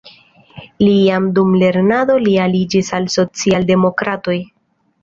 Li jam dum lernado li aliĝis al socialdemokratoj.